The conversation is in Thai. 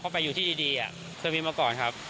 มีมีมาก่อนครับ